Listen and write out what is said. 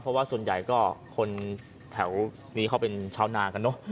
เพราะว่าส่วนใหญ่ก็คนแถวนี้เขาเป็นชาวนากันเนอะ